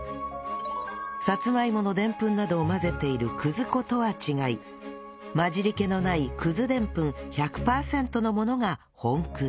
さつまいものでんぷんなどを混ぜている葛粉とは違い混じりけのない葛でんぷん１００パーセントのものが本葛